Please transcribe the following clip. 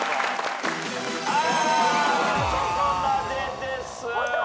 あそこまでです。